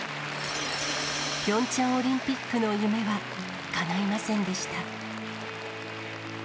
ピョンチャンオリンピックの夢はかないませんでした。